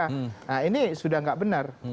nah ini sudah tidak benar